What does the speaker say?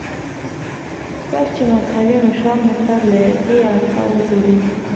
کاش چې مذهبي مشران ورته له دې اړخه وګوري.